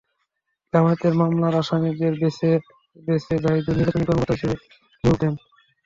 জামায়াতের মামলার আসামিদের বেছে বেছে জাহিদুল নির্বাচনী কর্মকর্তা হিসেবে নিয়োগ দেন।